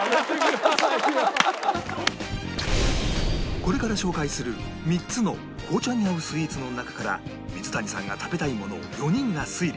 これから紹介する３つの紅茶に合うスイーツの中から水谷さんが食べたいものを４人が推理